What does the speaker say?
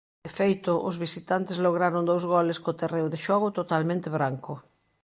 De feito, os visitantes lograron dous goles co terreo de xogo totalmente branco.